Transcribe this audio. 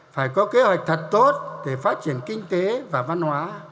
phải có kế hoạch thật tốt để phát triển kinh tế và văn hóa